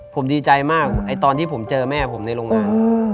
ผมดีใจมากไอ้ตอนที่ผมเจอแม่ผมในโรงงาน